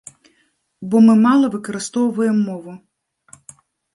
Бо мы мала выкарыстоўваем мову.